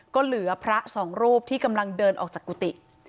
ก็เหลือพระสองรูปที่กำลังเดินออกจากกุฏิ